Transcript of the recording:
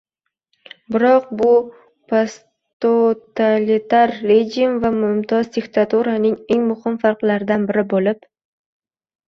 Biroq, bu posttotalitar rejim va “mumtoz” diktaturaning eng muhim farqlaridan biri bo‘lib